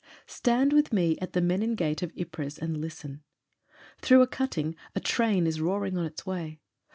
Stand with me at the Menin Gate of Ypres and listen. Through a cutting a train is roaring on its way.